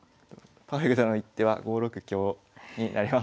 パーフェクトな一手は５六香になります。